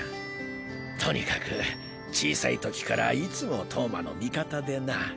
とにかく小さい時からいつも投馬の味方でな。